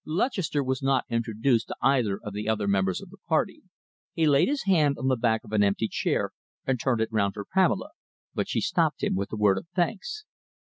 Lutchester was not introduced to either of the other members of the party. He laid his hand on the back of an empty chair and turned it round for Pamela, but she stopped him with a word of thanks.